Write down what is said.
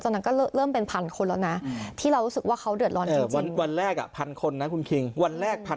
ตอนนั้นก็เริ่มเป็นพันคนแล้วนะ